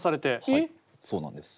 はいそうなんです。